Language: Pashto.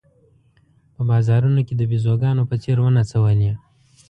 په بازارونو کې د بېزوګانو په څېر ونڅولې.